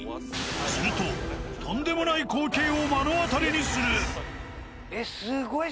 するととんでもない光景を目の当たりにする！